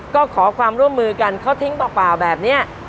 ก็ขอความร่วมมือกันเขาทิ้งเปล่าแบบนี้